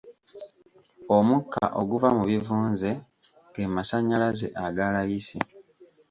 Omukka oguva mu bivunze ge masannyalaze aga layisi.